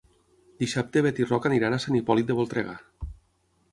Dissabte na Bet i en Roc iran a Sant Hipòlit de Voltregà.